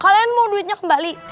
kalian mau duitnya kembali